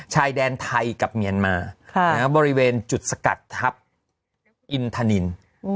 ชายแดนไทยกับเมียนมาค่ะนะฮะบริเวณจุดสกัดฮับอินทานินอืม